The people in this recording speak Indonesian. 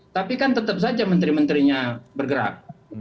tapi kan tetap saja menteri menterinya bergerak